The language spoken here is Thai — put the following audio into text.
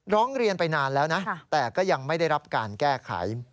ร้องเรียนไปนานแล้วนะแต่ก็ยังไม่ได้รับการแก้ไข